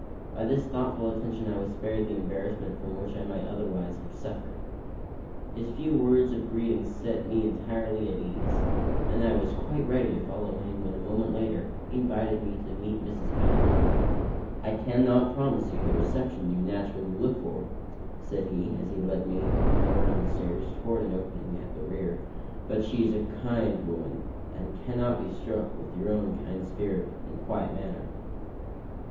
By this thoughtful attention I was spared the embarrassment from which I might otherwise have suffered. His few words of greeting set me entirely at my ease, and I was quite ready to follow him when a moment later he invited me to meet Mrs. Packard. "I can not promise you just the reception you naturally look for," said he, as he led me around the stairs toward an opening at their rear, "but she's a kind woman and can not but be struck with your own kind spirit and quiet manner."